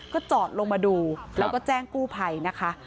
ก็จอดลงมาดูแล้วก็แจ้งกู้ภัยนะคะ